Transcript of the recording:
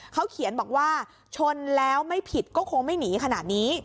เขาเขียนบอกว่าชนแล้วไม่ผิดก็คงไม่หนีขนาดนี้